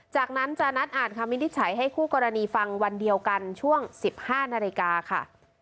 จากนั้นจะนัดอ่านคำวินิจฉัยให้คู่กรณีฟังวันเดียวกันช่วง๑๕นาฬิกาค่ะ